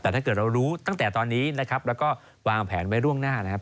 แต่ถ้าเกิดเรารู้ตั้งแต่ตอนนี้นะครับแล้วก็วางแผนไว้ล่วงหน้านะครับ